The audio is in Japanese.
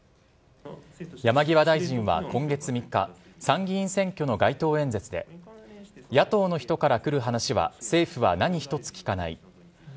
山際大臣は今月３日、参議院選挙の街頭演説で、野党の人から来る話は政府は何一つ聞かない。